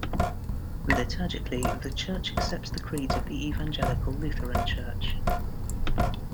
Liturgically, the church accepts the creeds of the Evangelical Lutheran church.